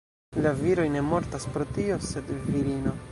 La viroj ne mortas pro tio, sed virino!